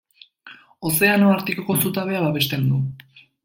Ozeano Artikoko zutabea babesten du.